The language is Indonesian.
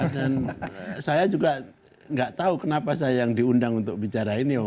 dan saya juga gak tahu kenapa saya yang diundang untuk bicara ini